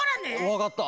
わかった。